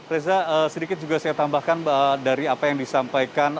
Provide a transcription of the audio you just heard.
reza sedikit juga saya tambahkan dari apa yang disampaikan